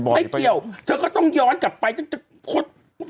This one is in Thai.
ไม่เกี่ยวจะต้องย้อนกลับไปก็จะคด